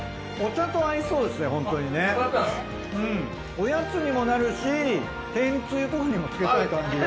おやつにもなるし天つゆとかにもつけたい感じが。